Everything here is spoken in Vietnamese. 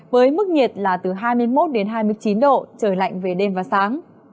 với mức nhiệt là từ hai mươi một đến hai mươi chín độ trời lạnh về đêm và sáng